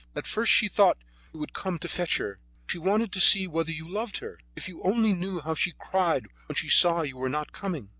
At first she thought you would come to fetch her. She wanted to see whether you loved her. If you only knew how she cried when she saw that you were not coming!